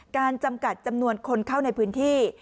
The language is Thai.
จำกัดจำนวนคนเข้าในพื้นที่